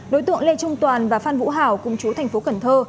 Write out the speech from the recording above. đối tượng lê trung toàn và phan vũ hảo cùng chú thành phố cần thơ